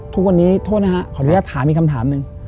ทุกวันนี้โทษนะฮะขออนุญาตถามอีกคำถามหนึ่ง